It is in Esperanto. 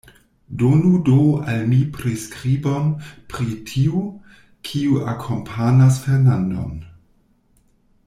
Donu do al mi priskribon pri tiu, kiu akompanas Fernandon.